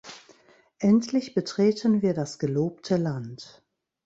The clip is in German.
Endlich betreten wir das gelobte Land.